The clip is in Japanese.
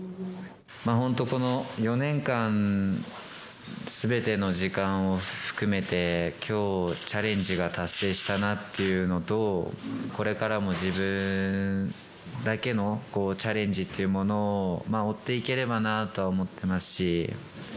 本当、この４年間、すべての時間を含めて、きょうチャレンジが達成したなというのと、これからも自分だけのチャレンジというものを、追っていければなとは思ってますし。